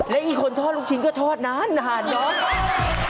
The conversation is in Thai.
และอีกคนทอดลูกชิ้นก็ทอดนานเนอะ